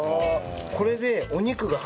これで。